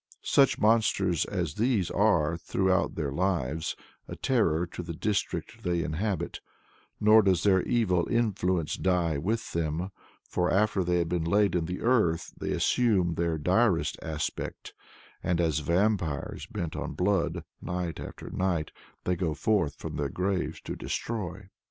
Such monsters as these are, throughout their lives, a terror to the district they inhabit; nor does their evil influence die with them, for after they have been laid in the earth, they assume their direst aspect, and as Vampires bent on blood, night after night, they go forth from their graves to destroy.